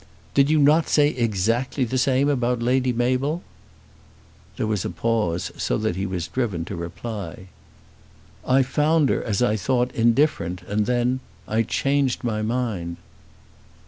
"Did you not say exactly the same about Lady Mabel?" There was a pause, so that he was driven to reply. "I found her as I thought indifferent, and then I changed my mind."